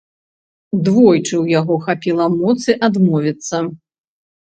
Двойчы ў яго хапіла моцы адмовіцца.